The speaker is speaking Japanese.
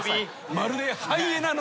まるでハイエナのように。